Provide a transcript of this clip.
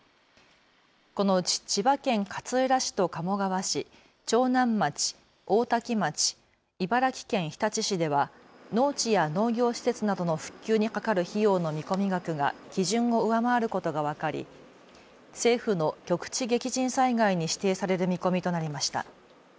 このうち千葉県勝浦市と鴨川市、長南町、大多喜町、茨城県日立市では農地や農業施設などの復旧にかかる費用の見込額が基準を上回ることが分かり政府の局地激甚災害に指定される見込みとなりました。